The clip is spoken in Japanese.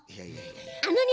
あのね